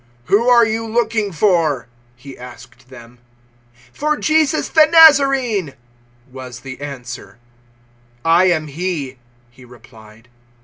"Who are you looking for?" He asked them. 018:005 "For Jesus the Nazarene," was the answer. "I am he," He replied.